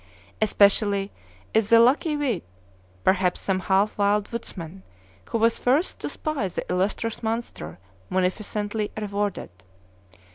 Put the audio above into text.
Especially is the lucky wight perhaps some half wild woodsman who was first to spy the illustrious monster munificently rewarded.